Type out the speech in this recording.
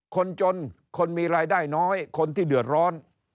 คนจนคนมีรายได้น้อยคนที่เดือดร้อน